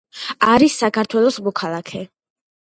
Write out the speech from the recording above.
არის საქართველოს მოქალაქე.